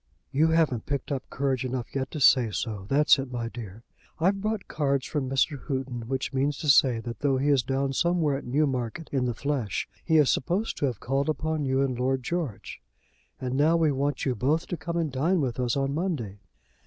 "You haven't picked up courage enough yet to say so; that's it, my dear. I've brought cards from Mr. Houghton, which means to say that though he is down somewhere at Newmarket in the flesh he is to be supposed to have called upon you and Lord George. And now we want you both to come and dine with us on Monday.